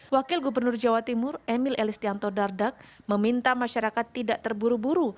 wakil gubernur jawa timur emil elistianto dardak meminta masyarakat tidak terburu buru